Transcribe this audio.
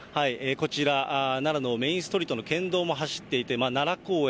こちら、奈良のメインストリートの県道も走っていて、奈良公園、